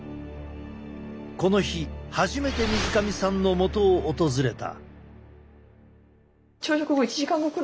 この日初めて水上さんのもとを訪れた。